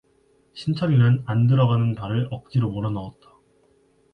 신철이는 안 들어가는 발을 억지로 몰아넣었다.